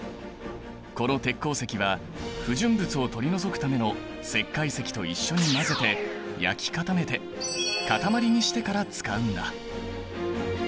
この鉄鉱石は不純物を取り除くための石灰石と一緒に混ぜて焼き固めて塊にしてから使うんだ。